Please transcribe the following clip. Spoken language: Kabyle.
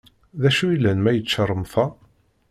D acu yellan ma yečča remṭan!